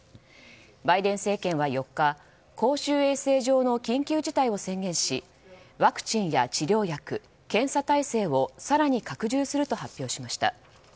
バイデン政権は４日公衆衛生上の緊急事態を宣言しワクチンや治療薬、検査体制を更に拡充すると発表しました。